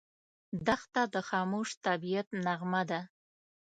دښته د خاموش طبعیت نغمه ده.